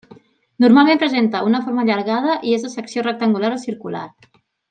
Normalment presenta una forma allargada i és de secció rectangular o circular.